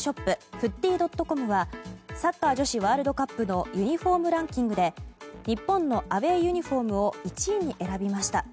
ＦＯＯＴＹ．ＣＯＭはサッカー女子ワールドカップのユニホームランキングで日本のアウェーユニホームを１位に選びました。